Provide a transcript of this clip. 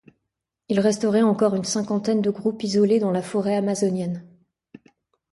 Il resterait encore une cinquantaine de groupes isolés dans la forêt amazonienne.